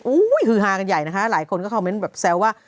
ฮือฮากันใหญ่นะคะหลายคนก็คอมเมนต์แบบแซวว่า